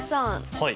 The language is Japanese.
はい。